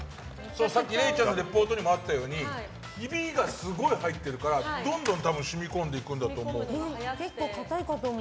さっきれいちゃんのリポートにもあったようにヒビがすごい入ってるからどんどん染み込んでいくんだと思う。